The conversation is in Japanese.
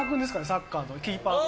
サッカーのキーパーの。